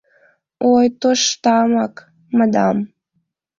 «Ой, тоштамак, мадам».